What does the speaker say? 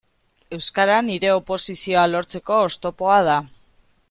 Euskara nire oposizioa lortzeko oztopoa da.